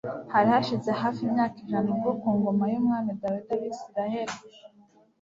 Hari hashize hafi imyaka ijana ubwo ku ngoma yumwami Dawidi Abisirayeli